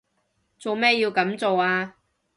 做咩要噉做啊？